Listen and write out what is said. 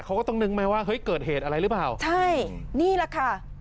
เขาก็ต้องนึกไหมว่าเฮ้ยเกิดเหตุอะไรหรือเปล่าใช่นี่แหละค่ะ